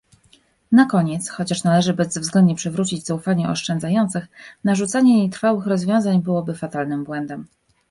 Na koniec, chociaż należy bezwzględnie przywrócić zaufanie oszczędzających, narzucanie nietrwałych rozwiązań byłoby fatalnym błędem